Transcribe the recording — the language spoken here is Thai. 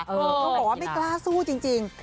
เขาบอกว่าไม่กล้าสู้จริง